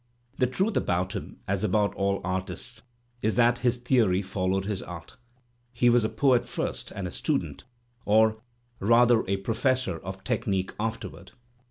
The truth about him, as about all artists, is that his theory followed his art; he was a poet first and a student, or, rather, a professor, of technic afterward.